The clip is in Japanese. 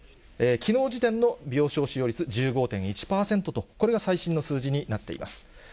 きのう時点の病床使用率、１５．１％と、これが最新の数字になっています。